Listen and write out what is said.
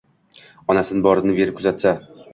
Onasin borini berib kuzatsa